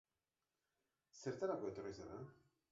Zertarako etorri zara?